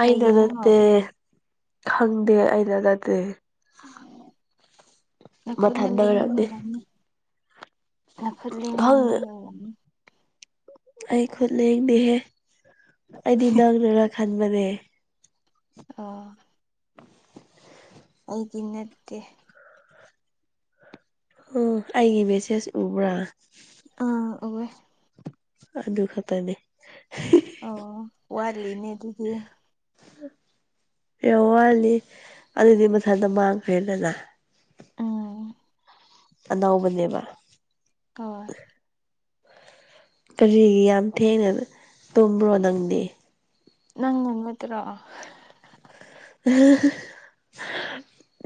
ꯑꯩꯅ ꯀꯩꯒꯤꯅꯣ ꯅꯠꯇꯦ ꯈꯪꯗꯦ ꯑꯩꯅ ꯅꯠꯇꯦ ꯃꯊꯟꯗ ꯑꯣꯏꯔꯝꯅꯤ ꯅꯈꯠꯂꯤ [inaudible] ꯏꯃꯥꯡ ꯈꯪ ꯂꯩ ꯑꯩ ꯈꯨꯠ ꯂꯦꯡꯗꯦꯍꯦ ꯑꯩꯗꯤ ꯅꯪꯅꯔ ꯈꯟꯕꯅꯦ ꯑꯣ [unintelligible] ꯑꯩꯒꯤ ꯅꯠꯇꯦ ꯎꯝ ꯑꯩꯒꯤ ꯃꯦꯁꯦꯖ ꯎꯕ꯭ꯔꯥ ꯑꯥ ꯑꯣꯋꯦ ꯑ ꯑꯗꯨ ꯈꯛꯇꯅꯦ ꯑꯣ ꯋꯥꯠꯂꯤꯅꯦ ꯑꯗꯨꯗꯤ ꯑꯦ ꯌꯥꯝ ꯋꯥꯠꯂꯤ ꯑꯗꯨꯗꯤ ꯃꯊꯟꯇ ꯃꯥꯡꯈ꯭ꯔꯦꯗꯅ ꯑꯝ ꯑꯅꯧꯕꯅꯦꯕ ꯍꯣꯏ ꯀꯔꯤꯒꯤ ꯌꯥꯝ ꯊꯦꯡꯅ ꯇꯨꯝꯕ꯭ꯔꯣ ꯅꯪꯗꯤ ꯅꯪ ꯉꯥꯝꯒꯗꯔꯣ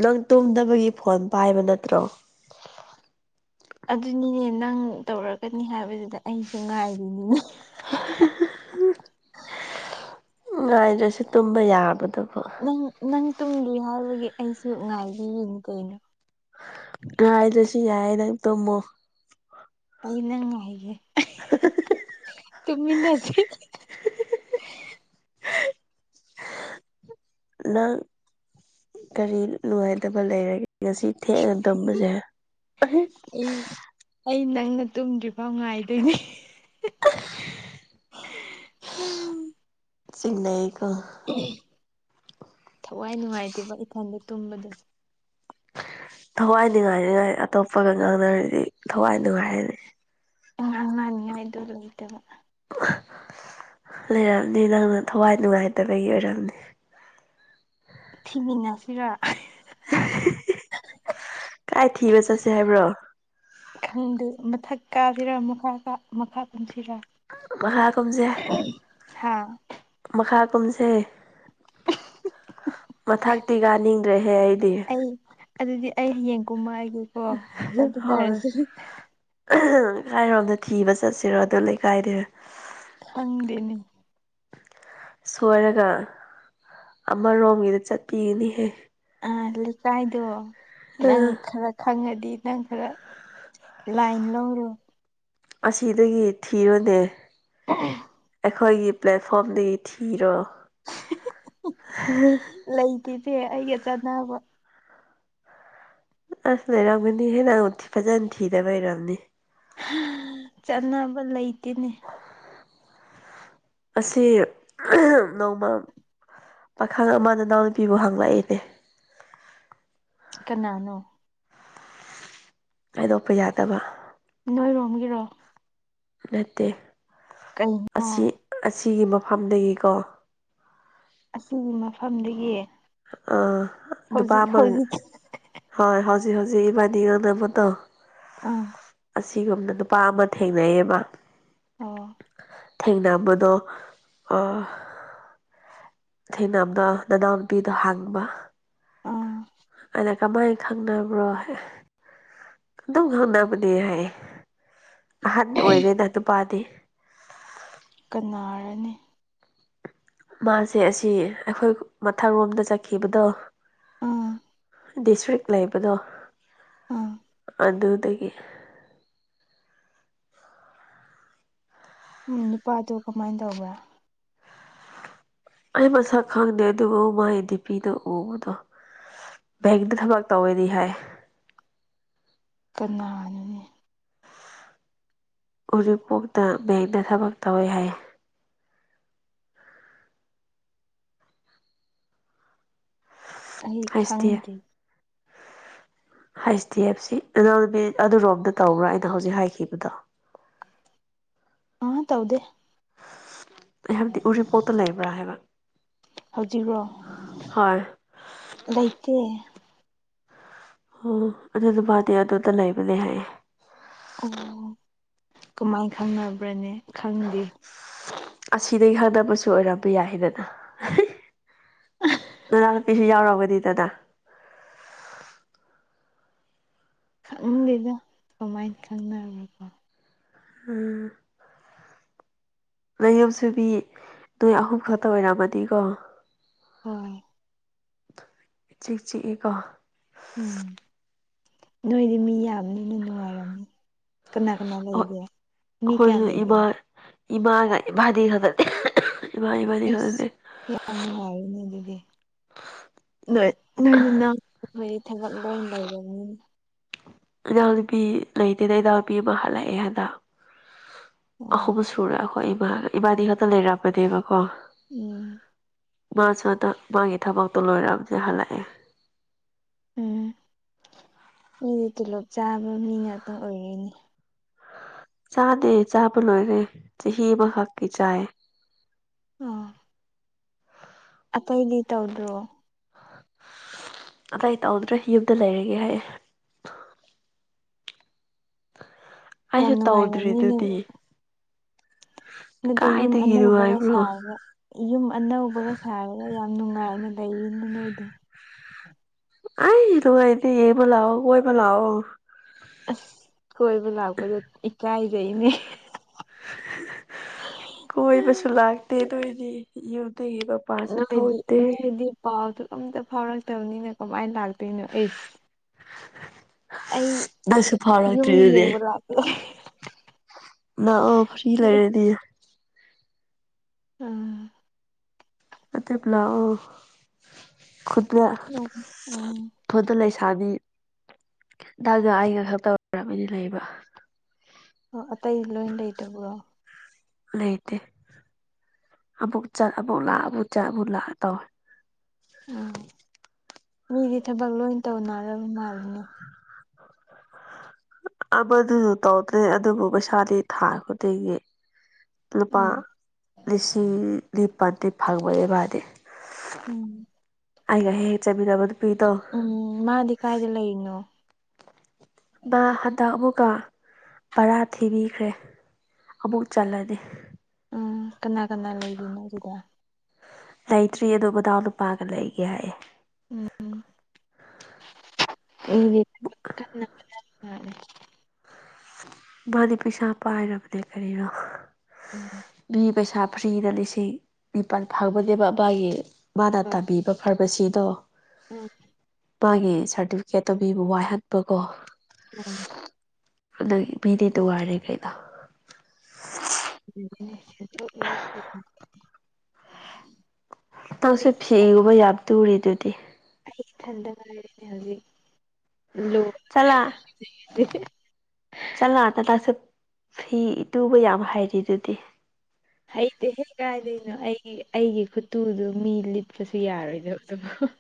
ꯅꯪ ꯇꯨꯝꯗꯅꯕꯒꯤ ꯐꯣꯟ ꯄꯥꯏꯕ ꯅꯠꯇ꯭ꯔꯣ ꯑꯗꯨꯅꯤꯅꯦ ꯅꯪ ꯇꯧꯔꯛꯀꯅꯤ ꯍꯥꯏꯕꯗꯨꯗ ꯑꯩꯁꯨ ꯉꯥꯏꯔꯤꯅꯤꯅꯦ [inaudible] ꯉꯥꯏꯗ꯭ꯔꯁꯨ ꯇꯨꯝꯕ ꯌꯥꯕꯗꯨꯕꯣ ꯅꯪ ꯅꯪ ꯇꯨꯝꯗꯔꯤ ꯍꯥꯏꯕꯒꯤ ꯑꯩꯁꯨ ꯉꯥꯏꯕꯤꯔꯤꯅꯤ ꯀꯩꯅꯣ ꯉꯥꯏꯗ꯭ꯔꯁꯨ ꯌꯥꯏ ꯅꯪ ꯇꯣꯝꯃꯣ ꯑꯩ ꯅꯪ ꯉꯥꯏꯒꯦ ꯇꯨꯃꯤꯟꯅꯖꯦ ꯅꯪ ꯀꯔꯤ ꯅꯨꯡꯉꯥꯏꯇꯕ ꯂꯩꯔꯒꯦ ꯉꯁꯤ ꯊꯦꯡꯅ ꯇꯨꯕꯝꯁꯦ ꯑꯩ ꯑꯩ ꯅꯪꯅ ꯇꯨꯝꯗ꯭ꯔꯤꯐꯥꯎ ꯉꯥꯏꯗꯣꯏꯅꯦ ꯆꯤꯡꯅꯩꯀꯣ ꯊꯋꯥꯏ ꯅꯨꯡꯉꯥꯏꯇꯦꯕ ꯏꯊꯟꯗ ꯇꯨꯝꯕꯗꯣ ꯊꯋꯥꯏꯅꯤꯉꯥꯏꯅꯤꯉꯥꯏ ꯑꯇꯣꯞꯄꯒ ꯉꯥꯡꯅꯔꯥꯗꯤ ꯊꯋꯥꯏ ꯅꯨꯡꯉꯥꯏ ꯍꯥꯏꯅꯤ ꯉꯥꯡꯅꯅꯤꯉꯥꯏꯗꯣ ꯂꯩꯇꯕ ꯂꯩꯔꯝꯅꯤ ꯅꯪꯅ ꯊꯋꯥꯏ ꯅꯨꯡꯉꯥꯏꯇꯕꯒꯤ ꯑꯣꯏꯔꯝꯅꯤ ꯊꯤꯃꯤꯟꯅꯁꯤꯔꯥ [unintelligible] ꯀꯥꯏ ꯊꯤꯕ ꯆꯠꯁꯦ ꯍꯥꯏꯕ꯭ꯔꯣ ꯈꯪꯗꯦ ꯃꯊꯛ ꯀꯥꯁꯤꯔꯥ ꯃꯈꯥ ꯀꯥ ꯃꯈꯥ ꯀꯨꯝꯁꯤꯔꯥ ꯃꯈꯥꯀꯨꯝꯖꯦ ꯍꯥ ꯃꯈꯥ ꯀꯨꯝꯁꯩ ꯃꯊꯛꯇꯤ ꯀꯥꯅꯤꯡꯗ꯭ꯔꯦꯍꯦ ꯑꯩꯗꯤ ꯑꯩ ꯑꯗꯨꯗꯤ ꯑꯩ ꯍꯌꯦꯡ ꯀꯨꯝꯃ ꯑꯒꯦꯀꯣ ꯍꯣꯏ ꯆꯠꯃꯤꯟꯅꯔꯁꯤ ꯀꯥꯏꯔꯣꯝꯗ ꯊꯤꯕ ꯆꯠꯁꯤꯔꯣ ꯑꯗꯨ ꯂꯩꯀꯥꯏꯗꯤ ꯍꯪꯗꯦꯅꯤ ꯁꯣꯏꯔꯒꯥ ꯑꯃꯔꯣꯝꯒꯤꯗ ꯆꯠꯄꯤꯒꯅꯤꯍꯦ ꯑꯥ ꯂꯩꯀꯥꯏꯗꯣ ꯅꯪ ꯈꯔ ꯈꯪꯉꯗꯤ ꯅꯪ ꯈꯔ ꯂꯥꯏꯟ ꯂꯧꯔꯣ ꯑꯁꯤꯗꯒꯤ ꯊꯤꯔꯣꯅꯦ [unintelligible] ꯑꯩꯈꯣꯏꯒꯤ ꯄ꯭ꯂꯦꯠꯐꯣꯝꯗꯒꯤ ꯊꯤꯔꯣ ꯂꯩꯇꯦꯅꯦ ꯑꯩꯒ ꯆꯥꯟꯅꯕ ꯑꯥ ꯂꯩꯔꯝꯒꯅꯤ ꯍꯦ ꯅꯪ ꯐꯖꯅ ꯊꯤꯗꯕ ꯔꯝꯅꯤ ꯆꯅꯕ ꯂꯩꯇꯦꯅꯦ ꯑꯁꯤ ꯅꯣꯡꯃ ꯄꯥꯈꯪ ꯑꯃ ꯅꯅꯥꯎꯅꯨꯄꯤꯕꯨ ꯍꯪꯂꯛꯏꯅꯦ ꯀꯅꯥꯅꯣ ꯍꯥꯏꯗꯣꯛꯄ ꯌꯥꯗꯕ ꯅꯣꯏꯔꯣꯝꯒꯤꯔꯣ ꯅꯠꯇꯦ ꯀꯩꯅꯣ ꯑꯁꯤ ꯑꯁꯤꯒꯤ ꯃꯐꯝꯗꯒꯤꯀꯣ ꯑꯁꯤꯒꯤ ꯃꯐꯝꯗꯒꯤ ꯑꯥ ꯅꯨꯄꯥ ꯍꯧꯖꯤꯛ ꯑꯃ ꯍꯧꯖꯤꯛ ꯍꯣꯏ ꯍꯧꯖꯤꯛ ꯍꯧꯖꯤꯛ ꯏꯕꯥꯅꯤ ꯉꯪꯅꯕꯗꯣ ꯑꯝ ꯑꯁꯤꯒꯨꯝꯅ ꯅꯨꯄꯥ ꯑꯃ ꯊꯦꯡꯅꯩꯌꯦꯕ ꯑꯣ ꯊꯦꯡꯅꯕꯗꯣ ꯑꯥ ꯊꯦꯡꯅꯕꯗ ꯅꯅꯥꯎꯅꯨꯄꯤꯗꯣ ꯍꯥꯡꯕ ꯑꯝ ꯅꯪ ꯀꯃꯥꯏꯅ ꯈꯪꯅꯕ꯭ꯔꯣ ꯑꯗꯨꯝ ꯈꯪꯅꯕꯅꯦ ꯍꯥꯏ ꯑꯍꯟ ꯑꯣꯏꯔꯦꯗ ꯅꯨꯄꯥꯗꯤ ꯀꯅꯥꯔꯥꯅꯦ ꯃꯥꯖꯦ ꯑꯁꯤ ꯑꯩꯈꯣꯏ ꯃꯊꯪ ꯔꯣꯝꯗ ꯆꯠꯈꯤꯕꯗꯣ ꯎꯝ ꯗꯤꯁꯇ꯭ꯔꯤꯛ ꯂꯩꯕꯗꯣ ꯑꯥ ꯑꯗꯨꯗꯒꯤ ꯎꯝ ꯅꯨꯄꯥꯗꯣ ꯀꯃꯥꯏꯟ ꯇꯧꯕ꯭ꯔꯥ ꯑꯩ ꯃꯁꯛ ꯈꯪꯗꯦ ꯑꯗꯨꯕꯨ ꯃꯥꯏ ꯗꯤꯄꯤꯗꯣ ꯎꯕꯗꯣ ꯕꯦꯛꯇꯥ ꯊꯕꯛ ꯇꯧꯋꯦꯗꯤ ꯍꯥꯏ ꯀꯅꯥꯅꯣꯅꯤ ꯎꯔꯤꯄꯣꯛꯇ ꯕꯦꯡꯗ ꯊꯕꯛ ꯇꯧꯋꯤ ꯍꯥꯏ ꯑꯩ ꯈꯪꯗꯦ [unintelligible] ꯍꯩꯆ ꯗꯤ ꯑꯦꯐ ꯁꯤ ꯑ ꯅꯨꯃꯤꯠ ꯑꯗꯨꯔꯣꯝꯗ ꯇꯧꯕ꯭ꯔꯥ ꯑꯩꯅ ꯍꯧꯖꯤꯛ ꯍꯥꯏꯈꯤꯕꯗꯣ꯫ ꯑꯥ ꯇꯧꯗꯦ꯫ ꯑꯩ ꯍꯥꯏꯕꯗꯤ ꯎꯔꯤꯄꯣꯛꯇ ꯂꯩꯕ꯭ꯔꯥ ꯍꯥꯏꯕ ꯍꯧꯖꯤꯛꯔꯣ꯫ ꯍꯣꯏ ꯂꯩꯇꯦ꯫ ꯑꯣ ꯑꯗꯨꯗ ꯃꯥꯗꯤ ꯑꯗꯨꯗ ꯂꯩꯕꯅꯦ ꯍꯥꯏꯌꯦ꯫ ꯑꯣ ꯀꯃꯥꯏ ꯈꯪꯅꯕ꯭ꯔꯅꯦ ꯈꯪꯗꯦ꯫ ꯑꯁꯤꯗꯒꯤ ꯈꯪꯅꯕꯁꯨ ꯑꯣꯏꯔꯝꯕ ꯌꯥꯏꯗꯅ꯫ ꯅꯅꯥꯎꯅꯨꯄꯤꯁꯨ ꯌꯥꯎꯔꯕꯅꯤꯗꯅ꯫ ꯈꯪꯗꯦꯗ ꯀꯃꯥꯏꯅ ꯈꯪꯅꯕꯅꯣꯀꯣ꯫ ꯎꯝ꯫ ꯅꯌꯨꯝ ꯁꯨꯕꯤ ꯅꯣꯏ ꯑꯍꯨꯝ ꯈꯛꯇ ꯑꯣꯏꯔꯝꯃꯗꯤꯀꯣ꯫ ꯍꯣꯏ꯫ ꯆꯤꯛ ꯆꯤꯛꯑꯦꯀꯣ꯫ ꯎꯝ ꯅꯣꯏꯗꯤ ꯃꯤ ꯌꯥꯝꯅꯤꯅ ꯅꯨꯡꯉꯥꯏꯔꯝꯅꯤ꯫ ꯀꯅꯥ ꯀꯅꯥ ꯑꯣ ꯂꯩꯒꯦ ꯃꯤ ꯀꯌꯥꯝ ꯑꯩꯈꯣꯏꯁꯨ ꯂꯩꯒꯦ ꯏꯃꯥ ꯏꯃꯥꯒ ꯏꯕꯥꯅꯤ ꯈꯛꯇꯗꯦ ꯏꯃꯥ ꯏꯕꯥꯅꯤꯈꯛ ꯑꯦꯁ ꯂꯩ ꯌꯥꯝ ꯅꯨꯡꯉꯥꯏꯔꯦꯅꯦ ꯑꯗꯨꯗꯤ ꯅꯣꯢ ꯅꯣꯏꯗꯤ ꯅꯪ ꯑꯩꯈꯣꯏꯗꯤ ꯊꯕꯛ ꯂꯣꯏ ꯂꯩꯔꯅꯤ ꯏꯅꯥꯎ ꯅꯨꯄꯤ ꯂꯩꯇꯦꯗ ꯏꯅꯥꯎ ꯅꯨꯄꯤ ꯑꯃ ꯍꯜꯂꯛꯑꯦ ꯍꯟꯗꯛ ꯑꯣ ꯑꯍꯨꯝ ꯨꯄꯨꯔꯥ ꯑꯩꯈꯣꯏ ꯏꯃꯥꯒ ꯏꯕꯥꯅꯤ ꯈꯛꯇ ꯂꯩꯔꯝꯕꯅꯦꯕꯀꯣ ꯎꯝ ꯃꯥꯁꯨ ꯑꯗ ꯃꯥꯒꯤ ꯊꯕꯛꯇꯣ ꯂꯣꯏꯔꯛꯑꯕꯅꯦ ꯍꯜꯂꯛꯑꯦ꯫ ꯎꯝ ꯃꯤꯗꯤ ꯇꯤꯜꯂꯣꯞ ꯆꯥꯕ ꯃꯤ ꯉꯥꯛꯇ ꯑꯣꯏꯔꯦꯅꯦ ꯆꯥꯗꯦ ꯆꯥꯕ ꯂꯣꯏꯒ꯭ꯔꯦ ꯆꯍꯤ ꯑꯃꯈꯛꯀꯤ ꯆꯥꯏ ꯑ ꯑꯇꯩꯗꯤ ꯇꯧꯗ꯭ꯔꯣ ꯑꯇꯩ ꯇꯧꯗ꯭ꯔꯦ ꯌꯨꯝꯗ ꯂꯩꯔꯒꯦ ꯍꯥꯏꯌꯦ ꯌꯥꯝ ꯑꯩꯁꯨ ꯅꯨꯡꯉꯥꯏꯔꯝꯅꯤꯅꯦ ꯇꯧꯗ꯭ꯔꯤꯗꯨꯗꯤ ꯅꯠꯇꯦ ꯌꯨꯝ ꯀꯥꯏꯗꯒꯤ ꯑꯅꯧꯕꯒ ꯅꯨꯡꯉꯥꯏꯕ꯭ꯔꯣ ꯁꯥꯔꯒ ꯌꯨꯝ ꯑꯅꯧꯕꯒ ꯁꯥꯔꯒ ꯌꯥꯝ ꯅꯨꯡꯉꯥꯏꯅ ꯂꯩꯔꯤꯅꯤ ꯅꯣꯏꯗꯤ ꯑꯥꯢ ꯅꯨꯡꯉꯥꯢꯇꯦ ꯌꯦꯡꯕ ꯂꯥꯛꯑꯣ ꯀꯣꯏꯕ ꯂꯥꯛꯑꯣ ꯑꯁ ꯀꯣꯏꯕ ꯂꯥꯛꯄꯗꯣ ꯏꯀꯥꯏꯖꯩꯅꯦ ꯀꯣꯏꯕꯁꯨ ꯂꯥꯛꯇꯦ ꯅꯣꯏꯗꯤ ꯌꯨꯝꯗꯒꯤꯒꯞ ꯅꯣꯏꯗꯤ ꯅꯩꯒꯤꯗꯤ ꯄꯥꯎꯗꯨ ꯑꯝꯇ ꯐꯥꯎꯔꯛꯇꯕꯅꯤꯅ ꯀꯃꯥꯏ ꯂꯥꯛꯇꯣꯏꯅꯣ ꯑꯩꯁ [inaudible] ꯑꯩ ꯅꯪꯁꯨ ꯌꯨꯝ ꯐꯥꯎꯔꯛꯇ꯭ꯔꯤꯗꯨꯗꯤ ꯌꯦꯡꯕ ꯂꯥꯛꯀ‌ꯦ ꯅꯥꯛꯑꯣ ꯐ꯭ꯔꯤ ꯂꯩꯔꯗꯤ ꯎꯝ ꯑꯗꯤꯞ ꯂꯥꯛꯑꯣ ꯈꯨꯨꯟꯗ ꯅꯣꯝ ꯑꯣ ꯐꯣꯟꯗ ꯂꯩꯁꯥꯕꯤ ꯈꯤꯇꯒ ꯑꯩꯒ ꯈꯛꯇ [unintelligible] ꯂꯩꯕꯥ ꯑꯣ ꯑꯇꯩ ꯂꯣꯏ ꯂꯩꯇꯕ꯭ꯔꯣ ꯂꯩꯇꯦ ꯑꯃꯨꯛ ꯆꯠ ꯑꯃꯨꯛ ꯂꯥꯛ ꯑꯃꯨꯛ ꯆꯠ ꯑꯃꯨꯛ ꯂꯥꯛ ꯇꯧꯋꯦ ꯎꯝ ꯃꯤꯗꯤ ꯊꯕꯛ ꯂꯣꯏ ꯇꯧꯅꯔꯕ ꯃꯥꯜꯂꯤꯅꯦ ꯑꯃꯗꯨꯖꯨ ꯇꯧꯗ‌꯭ꯔꯦ ꯑꯗꯨꯕꯨ ꯄꯩꯁꯥꯗꯤ ꯊꯥ ꯈꯨꯗꯤꯡꯒꯤ ꯂꯨꯄꯥ ꯎꯝ ꯂꯤꯁꯤꯡ ꯅꯤꯄꯥꯟꯗꯤ ꯐꯪꯕꯅꯤ ꯃꯥꯗꯤ ꯎꯝ ꯑꯩꯒ ꯍꯦꯛ ꯍꯦꯛ ꯆꯠꯃꯤꯟꯅ ꯅꯨꯄꯤꯗꯣ ꯎꯝ ꯃꯥꯗꯤ ꯀꯥꯏꯗ ꯂꯩꯔꯤꯅꯣ ꯃꯥ ꯍꯟꯗꯛ ꯑꯃꯨꯛꯀ ꯕꯔꯥ ꯊꯤꯕꯤꯈ꯭ꯔꯦ ꯑꯃꯨꯛ ꯆꯠꯂꯅꯤ ꯎꯝ ꯀꯅꯥ ꯀꯅꯥ ꯂꯩꯔꯤꯅꯣ ꯑꯗꯨꯗ ꯂꯩꯇ꯭ꯔꯤ ꯑꯗꯣ ꯃꯗꯥꯎ ꯅꯨꯄꯥꯒ ꯂꯩꯒꯦ ꯍꯥꯏꯌꯦ ꯎꯝ ꯎ ꯑꯩ [inaudible] [unintelligible] ꯃꯥꯗꯤ ꯄꯩꯁꯥ ꯄꯥꯏꯔꯕꯅꯦ ꯀꯔꯤꯅꯣ꯫ ꯎꯝ ꯃꯤ ꯄꯩꯁꯥ ꯐ꯭ꯔꯤꯅ ꯂꯤꯁꯤꯡ ꯅꯤꯄꯥꯜ ꯐꯪꯕꯅꯦꯕ ꯃꯥꯒꯤ ꯃꯥꯅ ꯍꯣꯏ ꯇꯝꯕꯤ꯫ ꯐꯥꯔꯃꯥꯁꯤꯗꯣ꯫ ꯎꯝ꯫ ꯃꯥꯒꯤ ꯁꯥꯔꯇꯤꯐꯤꯀꯦꯠꯇꯣ ꯃꯤꯕꯨ ꯋꯥꯏꯍꯟꯕꯀꯣ꯫ ꯎꯝ꯫ [unintelligible] [unintelligible] ꯅꯪꯁꯨ ꯑꯩ ꯐꯤꯒꯨꯕ ꯌꯥꯝ ꯇꯨꯔꯤꯗꯨꯗꯤ ꯑꯩ ꯏꯊꯟꯗ ꯉꯥꯏꯔꯤꯅꯦ ꯍꯧꯖꯤꯛ ꯂꯨ ꯆꯂ [unintelligible] [inaudible] [unintelligible] [inaudible] ꯆꯂꯥꯅꯂꯁꯦ ꯐꯤ ꯇꯨꯕ ꯌꯥꯝ ꯍꯩꯔꯤ ꯗꯨꯗꯤ꯫ ꯍꯩꯇꯦꯍꯦ ꯀꯥꯏꯗꯣꯏꯅꯣ ꯑꯩꯒꯤ ꯑꯩꯒꯤ ꯈꯨꯠꯇꯨꯗꯨ ꯃꯤ ꯂꯤꯠꯄꯁꯨ ꯌꯥꯔꯣꯏꯗꯕ ꯑꯗꯨꯕꯨ꯫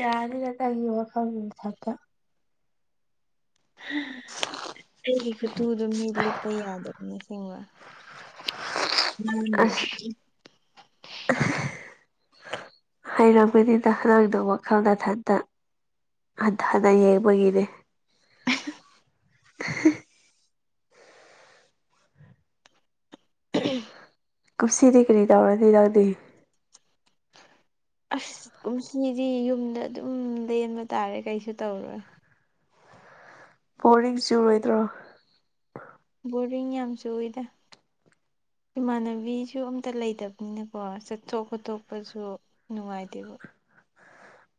ꯌꯥꯅꯤꯗ ꯅꯪꯒꯤ ꯋꯥꯈꯜ ꯃꯊꯟꯇꯥ [unintelligible] ꯇꯨꯗꯣ ꯃꯤ ꯂꯤꯠꯄ ꯌꯥꯗꯕꯅꯦ ꯁꯤꯡꯕ ꯑꯁ ꯍꯩꯔꯝꯒꯅꯤꯗ ꯅꯪꯅ ꯋꯥꯈꯜ ꯃꯊꯟꯇ ꯍꯟꯊꯅ ꯌꯦꯡꯕꯒꯤꯅꯦ ꯎ [unintelligible] ꯀꯨꯝꯁꯤꯗꯤ ꯀꯔꯤ ꯇꯧꯔꯗꯤ ꯅꯪꯗꯤ꯫ ꯑꯁ ꯀꯨꯝꯁꯤꯗꯤ ꯌꯨꯝꯗ ꯑꯗꯨꯝ ꯂꯦꯟꯕ ꯇꯥꯔꯦ ꯀꯩꯁꯨ ꯇꯧꯔꯣꯏ ꯕꯣꯔꯤꯡ ꯆꯨꯨꯔꯣꯏꯗ꯭ꯔꯣ꯫ ꯕꯣꯔꯤꯡ ꯌꯥꯝ ꯆꯨꯏꯗ꯫ ꯏꯃꯥꯟꯅꯕꯤꯁꯨ ꯑꯝꯇ ꯂꯩꯇꯕꯅꯤꯅꯀꯣ ꯆꯠꯊꯣꯛ ꯈꯣꯠꯇꯣꯛꯄꯁꯨ꯫ ꯅꯨꯡꯉꯥꯏꯇꯦꯕ꯫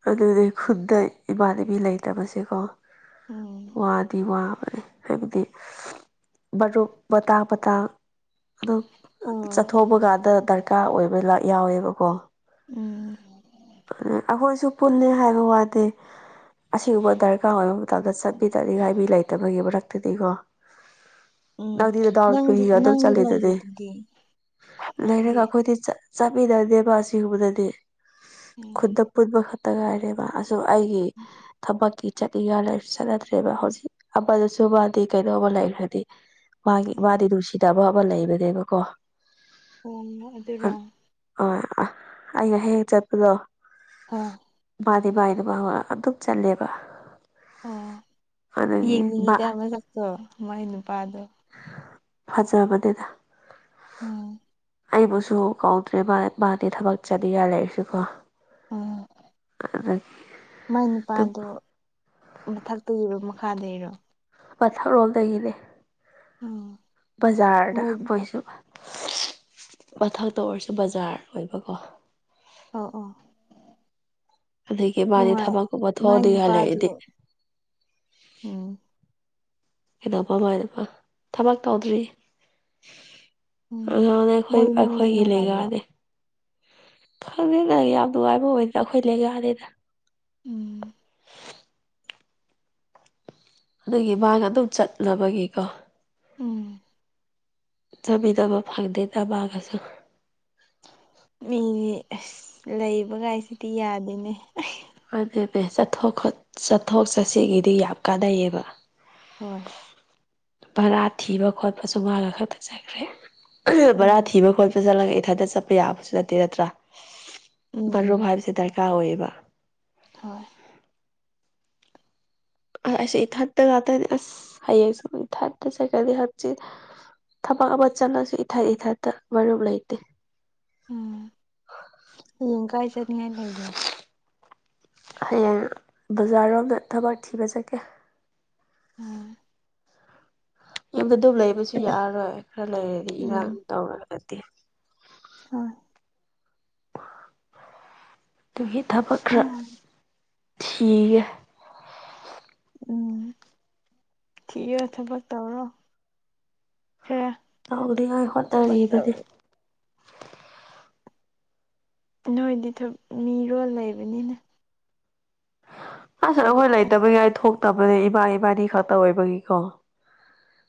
ꯑꯗꯨꯗꯤ ꯈꯨꯟꯗ ꯏꯃꯥꯟꯅꯕꯤ ꯂꯩꯇꯕꯁꯦꯀꯣ꯫ ꯎꯝ ꯋꯥꯗꯤ ꯋꯥꯕꯅꯦ ꯍꯥꯏꯕꯗꯤ ꯃꯔꯨꯞ ꯃꯇꯥꯡ ꯃꯇꯥꯡ꯫ ꯑꯗꯨꯝ ꯑꯣ ꯆꯠꯊꯣꯛꯄ ꯀꯥꯟꯗ ꯗꯔꯀꯥꯔ ꯑꯣꯏꯕ ꯌꯥꯎꯋꯦꯕꯀꯣ꯫ ꯎꯝ꯫ ꯑ ꯑꯩꯈꯣꯏꯁꯨ ꯄꯨꯜꯂꯦ ꯍꯥꯏꯕ ꯋꯥꯗꯦ ꯑꯁꯤꯒꯨꯝꯕ ꯗꯔꯀꯥꯔ ꯑꯣꯏꯕ꯫ ꯇꯝꯗ ꯆꯠꯄꯤꯅꯅꯤꯡꯉꯥꯏ ꯃꯤ ꯂꯩꯇꯕꯒꯤ ꯃꯔꯛꯇꯗꯤꯀꯣ꯫ ꯎꯝ ꯅꯪꯗꯤꯗ ꯗꯥꯎ ꯅꯪꯗꯤ ꯄꯨꯏꯒ ꯑꯗꯨꯝ ꯅꯪꯗꯤ ꯆꯠꯂꯤꯗꯨꯗꯤ ꯂꯩꯔꯤꯗꯨꯗꯤ ꯅꯪꯗꯤ ꯂꯩꯔꯒ ꯑꯩꯈꯣꯏꯗ ꯆꯠ ꯆꯥꯄꯤꯗꯗꯦꯕꯥ ꯁꯤꯒꯨꯝꯕꯗꯗꯤ ꯎꯝ ꯈꯨꯠꯇ ꯄꯨꯟꯕ ꯈꯛꯇ ꯉꯥꯏꯔꯦꯕ ꯑ ꯑꯩꯒꯤ ꯊꯕꯛꯀꯤ꯫ ꯆꯠꯅꯤꯡꯒ ꯂꯩꯥꯔꯁꯨ ꯆꯠꯅꯗ꯭ꯔꯦꯕ ꯍꯧꯖꯤꯛ ꯑꯃꯗꯁꯨꯨꯕꯗꯤ ꯀꯩꯗꯧꯕ ꯂꯩꯈ꯭ꯔꯗꯤ꯫ ꯃꯥꯒꯤ ꯎꯝ ꯃꯥꯗꯤ ꯅꯨꯡꯁꯤꯗꯕ ꯑꯃ ꯂꯩꯕꯅꯦꯕꯀꯣ꯫ ꯑꯣ ꯑꯗꯨꯏꯔꯣ ꯑ ꯑ ꯑꯩꯅ ꯍꯦꯛ ꯆꯠꯄꯗꯣ꯫ ꯍꯥ ꯃꯥꯗꯤ [unintelligible] ꯑꯗꯨꯝ ꯆꯠꯂꯦꯕ ꯑꯣ ꯑꯗꯨꯒꯤ ꯃꯥ ꯌꯦꯡꯅꯤꯡꯉꯤꯗ ꯃꯁꯛꯇꯣ ꯃꯥꯏ ꯅꯨꯄꯥꯗꯣ ꯐꯖꯕꯅꯦꯗ ꯎꯝ ꯑꯩꯕꯨꯁꯨ ꯀꯧꯗ꯭ꯔꯦꯕ ꯃꯥꯗꯤ ꯊꯕꯛ ꯆꯠꯅꯤꯡꯉꯥꯏ ꯂꯩꯔꯁꯨꯀꯣ ꯎꯝ ꯑꯗꯒꯤ ꯃꯥꯏ ꯑꯗꯨꯝ ꯅꯨꯄꯥꯗꯨ ꯃꯊꯛꯇꯒꯤꯔꯣ ꯃꯈꯥꯗꯩꯩꯔꯣ ꯃꯊꯛꯔꯣꯝꯗꯒꯤꯅꯦ ꯎꯝ ꯕꯖꯥꯔꯗ ꯃꯣꯏ ꯃꯣꯏꯁꯨ ꯃꯊꯛꯇ ꯑꯣꯏꯔꯁꯨ ꯕꯖꯥꯔ ꯑꯣꯏꯕꯀꯣ ꯑꯣ ꯑꯣ ꯑꯗꯒꯤ ꯃꯥꯗꯤ ꯅꯨꯡꯉꯥꯏ ꯊꯕꯛꯀꯨꯝꯕ ꯃꯥꯏ ꯊꯣꯛꯑꯗꯤꯉꯥꯏ ꯅꯨꯄꯥꯗꯣ ꯂꯩꯔꯗꯤ ꯎꯝ ꯀꯩꯗꯧꯕ ꯃꯥꯏ ꯅꯨꯄꯥ ꯊꯕꯛ ꯇꯧꯗ꯭ꯔꯤ ꯎꯝ ꯑꯉꯥꯡꯅꯦ ꯑꯈꯣꯏ ꯃꯣꯏ ꯏꯃꯨꯡꯗꯤ ꯑꯩꯈꯣꯏꯒꯤ ꯅꯨꯡꯉꯥꯏꯕ꯭ꯔꯣ ꯂꯦꯡꯒꯥꯅꯦ ꯈꯪꯗꯦꯗꯥ ꯌꯥꯝ ꯅꯨꯡꯉꯥꯏꯕ ꯑꯣꯏꯗꯦꯗ ꯑꯩꯈꯣꯏ ꯂꯦꯡꯒꯥꯅꯤꯅꯥ ꯎꯝ ꯑꯗꯒꯤ ꯃꯥꯒ ꯑꯗꯨꯝ ꯆꯠꯂꯕꯒꯤꯀꯣ ꯎꯝ ꯆꯠꯃꯤꯟꯅꯕ ꯐꯪꯗꯦꯗ ꯃꯥꯒꯁꯨ ꯃꯤꯗꯤ ꯑꯁ ꯂꯩꯕ ꯒꯥꯏꯁꯤꯗꯤ ꯌꯥꯗꯦꯅꯦ ꯃꯥꯟꯅꯦꯃꯤ ꯆꯠꯊꯣꯛ ꯈꯣꯠ ꯆꯠꯊꯣꯛ ꯆꯠꯁꯤꯟꯒꯤꯗꯤ ꯌꯥꯝ ꯀꯥꯟꯅꯩꯌꯦꯕ ꯍꯣꯏ ꯚꯥꯔꯥ ꯊꯤꯕ ꯈꯣꯠꯄꯁꯨ ꯃꯒꯥꯈꯛꯇ ꯆꯠꯈ꯭ꯔꯦ ꯚꯥꯔꯥ ꯎꯝ ꯊꯤꯕ ꯈꯣꯠ ꯆꯠꯂꯒꯥ ꯏꯊꯟꯇ ꯆꯠꯄ ꯌꯥꯕꯁꯨ ꯅꯠꯇꯦ ꯅꯠꯇ꯭ꯔꯥ ꯎꯝ ꯃꯔꯨꯞ ꯍꯥꯏꯕꯁꯦ ꯗꯔꯀꯥꯔ ꯑꯣꯏꯌꯦꯕ ꯍꯣꯏ ꯑꯥ ꯑꯩꯁꯦ ꯏꯊꯟꯇ ꯉꯥꯛꯇꯅꯤ ꯑꯁ ꯍꯌꯦꯡꯁꯨ ꯏꯊꯟꯇ ꯆꯀꯅꯤ ꯍꯪꯆꯤꯠ ꯊꯕꯛ ꯑꯃ ꯆꯠꯂꯁꯨ ꯏꯊꯟ ꯏꯊꯟꯇꯥ ꯃꯔꯨꯞ ꯂꯩꯇꯦ ꯎꯝ ꯍꯌꯦꯡ ꯀꯥꯏ ꯆꯠꯅꯤꯡꯉꯥꯏ ꯂꯩꯒꯦ ꯍꯌꯦꯡ ꯕꯖꯥꯔꯔꯣꯝꯗ ꯊꯕꯛ ꯊꯤꯕ ꯆꯠꯀꯦ ꯎꯝ ꯌꯨꯝꯗ ꯑꯗꯨꯝ ꯂꯩꯕꯁꯨ ꯌꯥꯔꯔꯣꯏ ꯈꯔ ꯂꯩꯔꯗꯤ ꯎꯝ ꯏꯔꯥꯡ ꯇꯧꯔꯛꯑꯗꯤ ꯍꯣꯏ ꯑꯗꯨꯒꯤ ꯊꯕꯛ ꯈꯔ ꯊꯤꯒꯦ ꯎꯝ ꯊꯤꯌꯣ ꯊꯕꯛ ꯇꯧꯔꯣ [unintelligible] ꯇꯧꯅꯤꯡꯉꯥꯏ ꯊꯕꯛ ꯍꯣꯠꯅꯔꯤꯕꯅꯦ ꯇꯧꯔꯤ ꯅꯣꯏꯗꯤ ꯊꯥꯞ ꯃꯤꯔꯣꯜ ꯂꯩꯕꯅꯤꯅ ꯑꯁ ꯆꯠ ꯑꯈꯣꯏ ꯂꯩꯇꯕꯒꯤ ꯑꯩ ꯊꯣꯛꯇꯕꯅꯦ ꯏꯃꯥ ꯏꯕꯥꯅꯤ ꯈꯛꯇ ꯑꯣꯏꯕꯒꯤꯀꯣ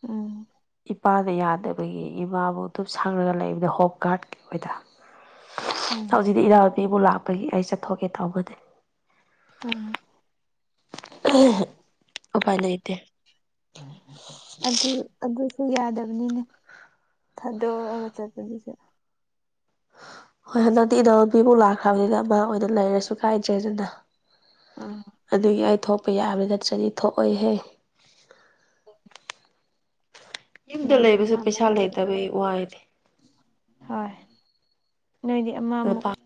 ꯎꯝ ꯏꯄꯥꯗ ꯌꯥꯗꯕꯒꯤ ꯏꯃꯥꯕꯨ ꯗꯨꯞ ꯁꯪꯂꯒ ꯂꯩꯕꯅꯦ ꯍꯣꯝ ꯒꯥꯔꯗꯀꯤ [unintelligible] ꯎꯝ ꯍꯧꯖꯤꯛꯇꯤ ꯏꯅꯥꯎꯄꯤꯃꯨꯛ ꯂꯥꯛꯄꯒꯤ ꯑꯩ ꯆꯠꯊꯣꯛꯀꯦ ꯇꯧꯕꯅꯦ ꯎꯝ ꯎꯄꯥꯏ ꯂꯩꯇꯦ ꯑꯗꯨ ꯑꯗꯨꯁꯨ ꯌꯥꯗꯕꯅꯤꯅꯦ ꯊꯥꯗꯣꯛꯑꯒ ꯆꯠꯄꯗꯨꯁꯨ ꯍꯣꯏ ꯍꯟꯗꯛꯇꯤ ꯏꯅꯥꯎꯅꯨꯄꯤꯃꯨꯛ ꯂꯥꯛꯈ꯭ꯔꯕꯅꯤꯅ ꯃꯥ ꯑꯣꯏꯅ ꯂꯩꯔꯁꯨ ꯀꯥꯏꯗ꯭ꯔꯦꯗꯅ ꯎꯝ ꯑꯗꯨꯒꯤ ꯑꯩ ꯊꯣꯛꯄ ꯌꯥꯕ ꯅꯠꯇ꯭ꯔꯗꯤ ꯊꯣꯛꯑꯣꯏꯍꯦ [inaudible] ꯌꯨꯝꯗ ꯅꯣꯏꯗꯤ ꯂꯩꯕꯁꯦ ꯑꯃꯃꯨꯛ ꯄꯩꯁꯥ ꯂꯩ ꯂꯩꯇꯕꯩ ꯋꯥꯏꯌꯦꯅꯦ ꯍꯣꯏ ꯅꯣꯏꯗꯤ ꯑꯃꯃꯨꯛ ꯂꯨꯄꯥ